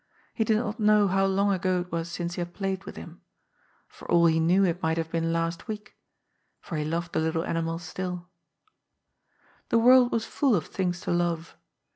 He did not know how long ago it was since he had played with him. For all he knew, it might have been last week. For he loved the little ani mal stilL The world was full of things to love.